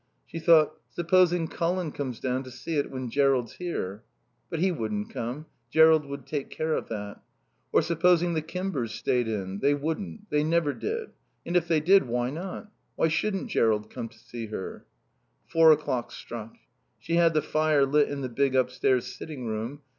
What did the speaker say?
She thought: Supposing Colin comes down to see it when Jerrold's here? But he wouldn't come. Jerrold would take care of that. Or supposing the Kimbers stayed in? They wouldn't. They never did. And if they did, why not? Why shouldn't Jerrold come to see her? Four o'clock struck. She had the fire lit in the big upstairs sitting room.